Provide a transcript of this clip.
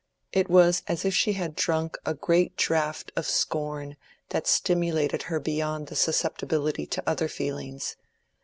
It was as if she had drunk a great draught of scorn that stimulated her beyond the susceptibility to other feelings.